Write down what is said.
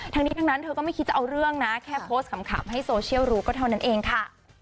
ทั้งนี้ทั้งนั้นเธอก็ไม่คิดจะเอาเรื่องนะแค่โพสต์ขำให้โซเชียลรู้ก็เท่านั้นเองค่ะ